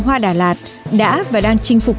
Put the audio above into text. hoa đà lạt đã và đang chinh phục